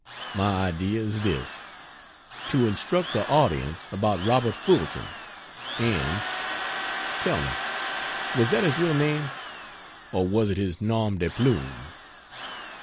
My idea is this: to instruct the audience about Robert Fulton, and.... Tell me was that his real name, or was it his nom de plume?